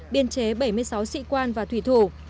biên chế bảy mươi sáu sĩ quan và thủy thủ